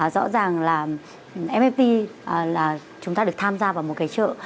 rõ ràng là fp là chúng ta được tham gia vào một cái chợ